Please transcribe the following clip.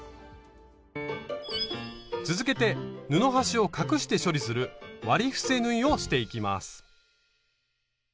続けて布端を隠して処理する割り伏せ縫いをしていきます。